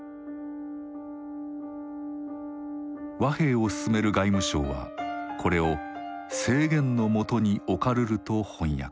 和平を進める外務省はこれを「制限の下に置かるる」と翻訳。